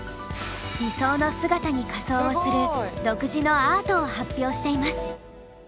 理想の姿に仮装をする独自のアートを発表しています。